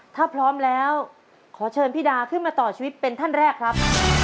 ถ้าพร้อมแล้วขอเชิญพี่ดาขึ้นมาต่อชีวิตเป็นท่านแรกครับ